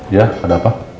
iya ada apa